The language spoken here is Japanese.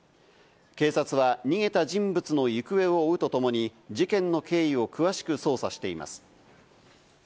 警察は逃げた人物の行方を追うとともに、事件の経緯を詳しく捜査しています。